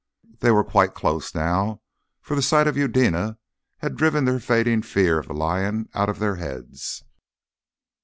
They were quite close now, for the sight of Eudena had driven their fading fear of the lion out of their heads.